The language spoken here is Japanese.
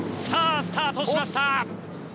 さあ、スタートしました。